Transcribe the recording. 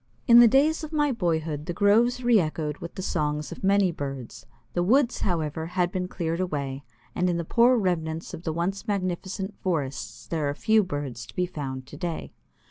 In the days of my boyhood the groves re echoed with the songs of many birds; the woods, however, have been cleared away, and in the poor remnants of the once magnificent forests there are few birds to be found today.